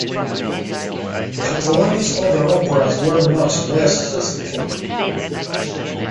Catalani's other operas were much less successful.